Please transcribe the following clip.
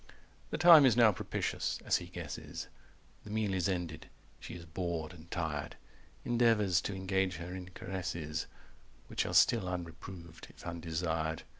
The time is now propitious, as he guesses, The meal is ended, she is bored and tired, Endeavours to engage her in caresses Which still are unreproved, if undesired.